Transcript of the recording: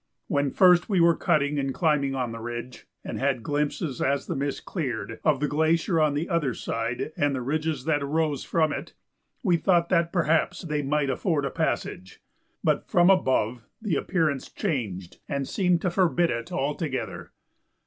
When first we were cutting and climbing on the ridge, and had glimpses, as the mists cleared, of the glacier on the other side and the ridges that arose from it, we thought that perhaps they might afford a passage, but from above the appearance changed and seemed to forbid it altogether.